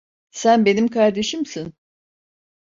Sen benim kardeşimsin.